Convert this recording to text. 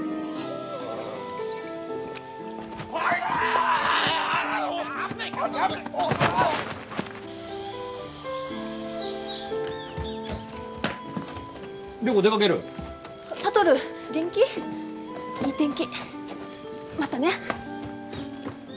いい天気またね。